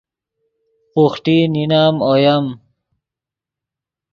بوخٹی نینم اویم